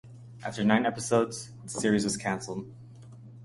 After nine episodes, the series was canceled.